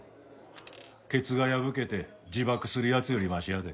ケツが破けて自爆する奴よりマシやで。